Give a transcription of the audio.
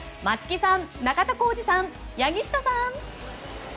松木さん、中田浩二さん柳下さん。